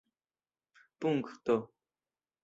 Punkto.